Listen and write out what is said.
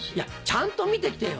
ちゃんと見てきてよ！